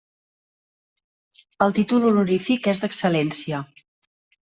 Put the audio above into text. El títol honorífic és d'Excel·lència.